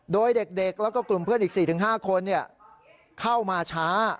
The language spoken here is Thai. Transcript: โดยเด็กแล้วก็กลุ่มเพื่อนอีก๔๕คนเข้ามาช้า